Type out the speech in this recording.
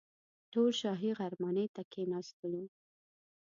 ټول شاهي غرمنۍ ته کښېنستلو.